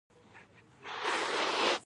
په افغانستان او پاکستان کې ژباړل شوی دی.